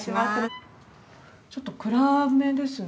ちょっと暗めですね玄関。